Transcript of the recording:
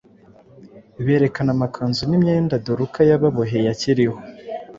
berekana amakanzu n’imyenda Doruka yababoheye akiriho.”